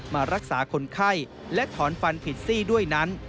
มารักษาคนไข้และถอนฟันผิดซี่ด้วยนั้น